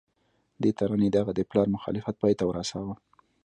دې ترانې د هغه د پلار مخالفت پای ته ورساوه